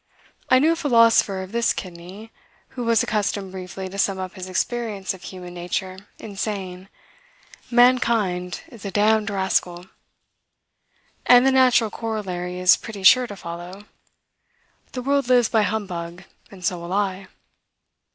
I knew a philosopher of this kidney, who was accustomed briefly to sum up his experience of human nature in saying, "Mankind is a damned rascal:" and the natural corollary is pretty sure to follow, "The world lives by humbug, and so will I."